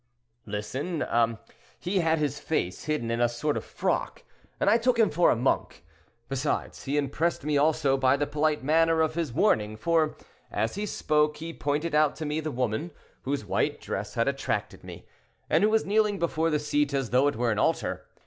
"Listen; he had his face hidden in a sort of frock, and I took him for a monk. Besides, he impressed me also by the polite manner of his warning; for, as he spoke, he pointed out to me the woman, whose white dress had attracted me, and who was kneeling before the seat as though it were an altar.